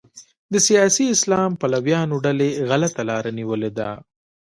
د سیاسي اسلام پلویانو ډلې غلطه لاره نیولې ده.